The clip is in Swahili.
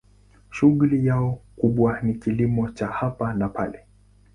Shughuli yao kubwa ni kilimo cha hapa na pale.